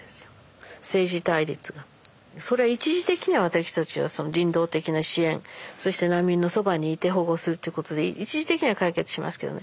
そりゃ一時的には私たちは人道的な支援そして難民のそばにいて保護するっていうことで一時的には解決しますけどね。